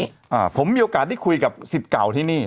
อ่าผมมีโอกาสได้คุยกับสิบเก่าที่นี่